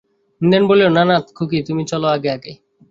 নীরেন বলিল, না না খুকি, তুমি চল আগে আগে।